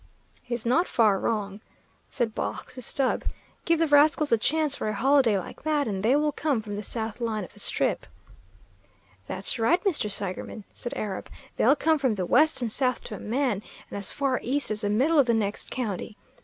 "He's not far wrong," said Baugh to Stubb. "Give the rascals a chance for a holiday like that, and they will come from the south line of the Strip." "That's right, Mr. Seigerman," said Arab. "They'll come from the west and south to a man, and as far east as the middle of the next county.